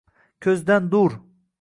ko’zdan dur.